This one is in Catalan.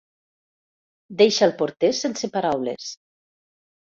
Deixa el porter sense paraules.